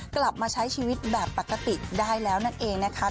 กลับมาใช้ชีวิตแบบปกติได้แล้วนั่นเองนะคะ